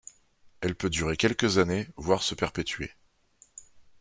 Elle peut durer quelques années voire se perpétuer.